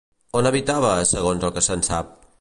On habitava, segons el que se'n sap?